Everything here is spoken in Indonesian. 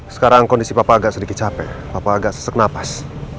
sekarang kondisi papa agak sedikit capek bapak agak sesak napas